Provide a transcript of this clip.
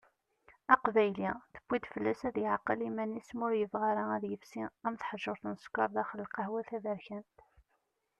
Aqbayli, tuwi-d fell-as ad yeɛqel iman-is ma ur yebɣi ara ad yefsi am teḥjurt n ssekker daxel lqahwa taberkant.